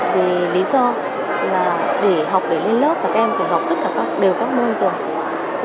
vì lý do là để học để lên lớp và các em phải học tất cả các đều các môn rồi